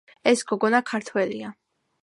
ეს გოგონა ქართველია